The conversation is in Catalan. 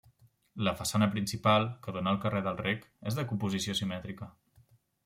La façana principal, que dóna al carrer del Rec, és de composició simètrica.